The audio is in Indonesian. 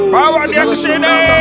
bawa dia ke sini